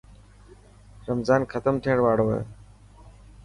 رمضان ختم ٿيڻ واڙو هي.